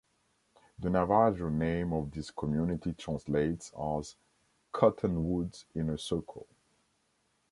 The Navajo name of this community translates as "cottonwoods in a circle".